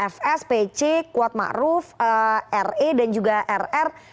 fs pc kuat ma'ruf re dan juga rr